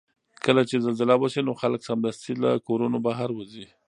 کله چې زلزله وشي نو خلک سمدستي له کورونو بهر وځي.